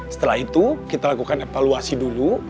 setelah itu kita lakukan evaluasi dulu